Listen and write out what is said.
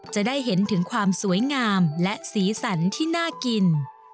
จะได้เห็นถึงความสวยงามและสีสันที่น่ากิน